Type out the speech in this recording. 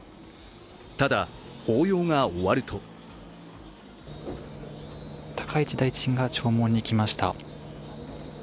ただ、法要が終わると高市大臣が弔問に来ました。